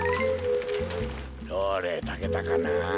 どれたけたかな？